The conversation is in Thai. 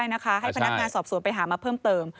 ให้พนักงานสอบสวนไปหามาเพิ่มเติม